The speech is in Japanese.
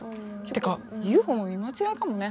てかＵＦＯも見間違えかもね。